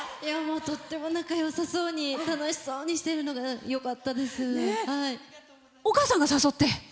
とっても仲よさそうに楽しそうにしているのがお母さんが誘って？